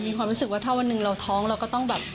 มีความรู้สึกว่าถ้าวันหนึ่งเราท้องเราก็ต้องแบบ